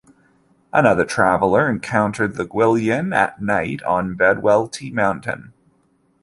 Another traveller encountered the gwyllion at night on Bedwellty Mountain.